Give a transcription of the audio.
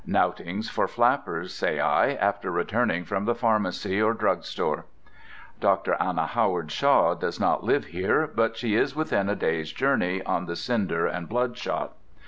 Knoutings for flappers, say I, after returning from the pharmacy or drugstore. Dr. Anna Howard Shaw does not live here, but she is within a day's journey on the Cinder and Bloodshot.